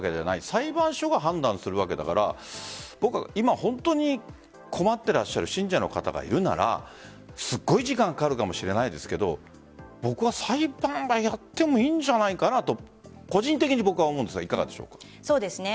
裁判所が判断するわけだから困っていらっしゃる信者の方々がいるならばすごい時間がかかるかもしれないですが僕は裁判はやってもいいんじゃないかなと個人的に思うんですがいかがですか？